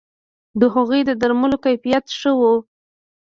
د هغوی د درملو کیفیت ښه وو